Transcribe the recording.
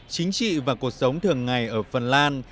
chính trị và cuộc sống thường ngày ở phần lan